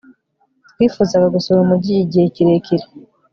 twifuzaga gusura umujyi igihe kirekire